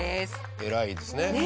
偉いですね。